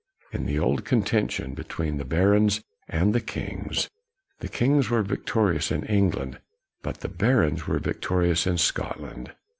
In the old contention between the barons and the kings, the kings were victorious in Eng land, but the barons were victorious in Scotland.